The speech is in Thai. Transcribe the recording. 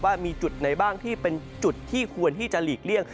ว่ามีจุดไหนบ้างที่เป็นจุดที่ควรที่จะหลีกเลี่ยง